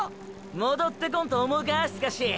⁉戻ってこんと思うかスカシ。